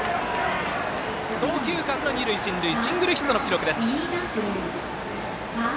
送球間の二塁進塁シングルヒットの記録です。